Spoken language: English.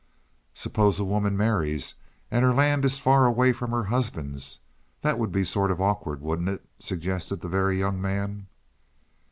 "Suppose a woman marries and her land is far away from her husband's? That would be sort of awkward, wouldn't it?" suggested the Very Young Man.